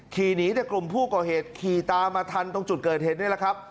ขี่หนีแต่กลุ่มผู้ก่อเหตุขี่ตามมาทันตรงจุดเกิดเหตุนี่แหละครับ